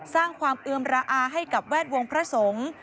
สร้างความเอือมระอาให้กับแวดวงพระสงฆ์